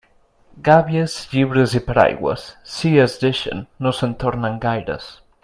Gàbies, llibres i paraigües, si es deixen, no se'n tornen gaires.